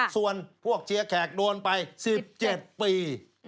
ส่วนพวกเชียร์แขกโดนไป๑๗ปี